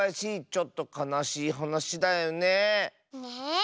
ちょっとかなしいはなしだよねえ。